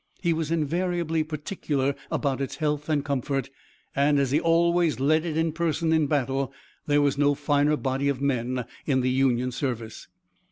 He was invariably particular about its health and comfort, and, as he always led it in person in battle, there was no finer body of men in the Union service.